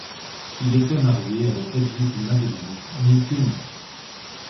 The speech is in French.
Il était marié avec Hedwig Madelung, née König.